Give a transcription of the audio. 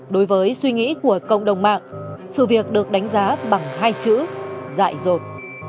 đối với suy nghĩ của cộng đồng mạng sự việc được đánh giá bằng hai chữ dại dột